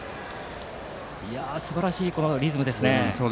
すばらしいリズムです。